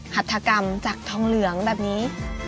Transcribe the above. หัตถกรรมจากทองเหลืองแบบนี้